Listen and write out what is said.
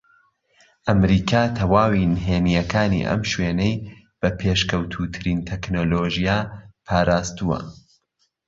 ئەمریکا تەواوی نھێنییەکانی ئەم شوێنەی بە پێشکەوتووترین تەکنەلۆژیا پارازتووە